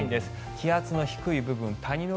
気圧の低い部分、谷の